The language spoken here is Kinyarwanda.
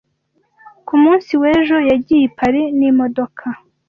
Ku munsi w'ejo yagiye i Paris n'imodoka.